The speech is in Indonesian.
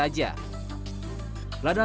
lalu di jawa timur